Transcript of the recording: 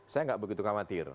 saya tidak begitu khawatir